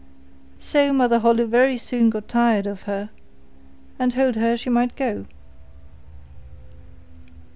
So Mother Holle very soon got tired of her, and told her she might go.